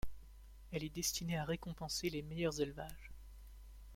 Elle est destinée à récompenser les meilleurs élevages.